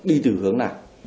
đi từ hướng nào